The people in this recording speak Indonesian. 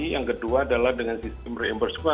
yang kedua adalah dengan sistem reimbursement